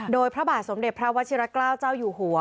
โดยพระบาทสมเด็จพระวัชิรเกล้าเจ้าอยู่หัว